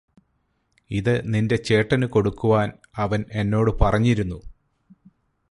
ഇത് നിന്റെ ചേട്ടന് കൊടുക്കുവാൻ അവൻ എന്നോട് പറഞ്ഞിരുന്നു